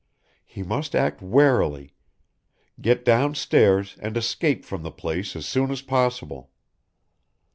He must act warily, get downstairs and escape from the place as soon as possible.